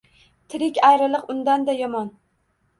Tirik ayriliq undanda yomon